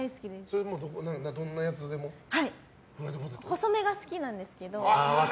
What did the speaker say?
細めが好きなんですけど。